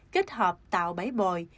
kết hợp tạo bãi bòi